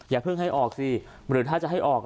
อย่าเพิ่งให้ออกสิหรือถ้าจะให้ออก